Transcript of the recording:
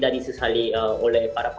dan mereka akan lebih baik